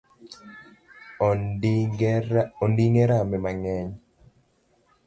Onding’e rame mang’eny